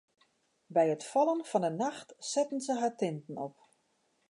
By it fallen fan 'e nacht setten se har tinten op.